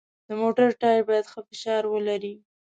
د موټر ټایر باید ښه فشار ولري.